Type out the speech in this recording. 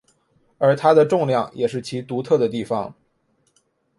而它的重量也是其独特的地方。